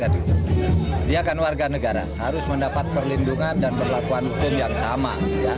dia kan warga negara harus mendapat perlindungan dan perlakuan hukum yang sama